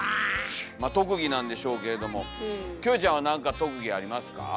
まあ特技なんでしょうけれどもキョエちゃんは何か特技ありますか？